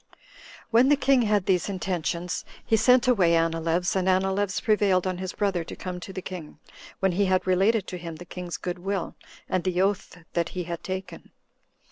4. When the king had these intentions, he sent away Anileus, and Anileus prevailed on his brother [to come to the king], when he had related to him the king's good will, and the oath that he had taken.